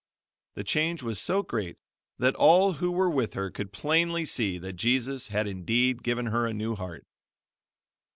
The change was so great that all who were with her could plainly see that Jesus had indeed given her a new heart.